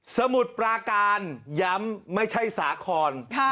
มุดปราการย้ำไม่ใช่สาคร